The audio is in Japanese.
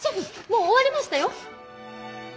もう終わりましたよ。